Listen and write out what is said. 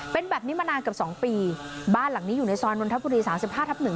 เป็นแบบนี้มานานเกือบสองปีบ้านหลังนี้อยู่ในซอยนนทบุรีสามสิบห้าทับหนึ่ง